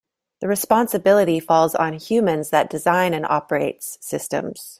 The responsibility falls on humans that design and operates systems.